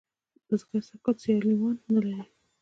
بزگر سږ کال سیاليوان نه لري.